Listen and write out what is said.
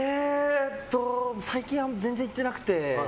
最近、全然行ってなくて。